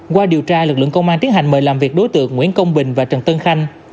qua điều tra lực lượng công an tiến hành mời làm việc đối tượng nguyễn công bình và trần tân khanh